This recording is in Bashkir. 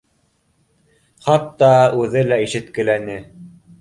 Хатта үҙе лә ишеткеләне